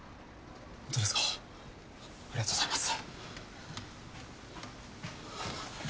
ホントですかありがとうございます。